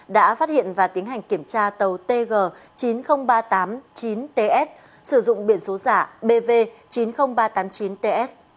đã phát hiện và tiến hành kiểm tra tàu tg chín mươi nghìn ba trăm tám mươi chín ts sử dụng biển số giả bv chín mươi nghìn ba trăm tám mươi chín ts